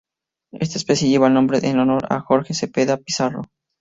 Esta especie lleva el nombre en honor a Jorge Cepeda-Pizarro.